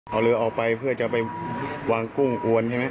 เอาเรือออกไปเพื่อจะไปวางกุ้งอวนใช่ไหม